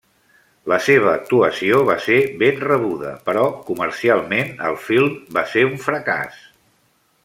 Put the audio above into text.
La seva actuació va ser ben rebuda, però comercialment el film va ser un fracàs.